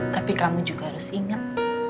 tapi kamu juga harus ingat